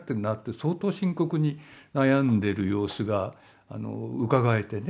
相当深刻に悩んでる様子がうかがえてね。